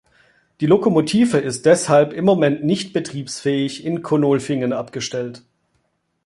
Die Lokomotive ist deshalb im Moment nicht betriebsfähig in Konolfingen abgestellt.